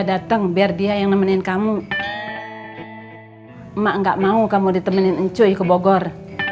datang biar dia yang nemenin kamu emak enggak mau kamu ditemenin encuy ke bogor